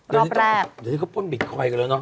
รอบแรกเดี๋ยวนี้ก็ป้นบิทคอยกันแล้วเนอะ